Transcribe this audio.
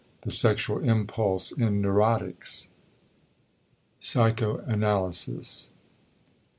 THE SEXUAL IMPULSE IN NEUROTICS *Psychoanalysis.